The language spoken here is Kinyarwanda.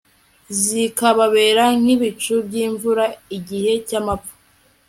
zikababera nk'ibicu by'imvura igihe cy'amapfa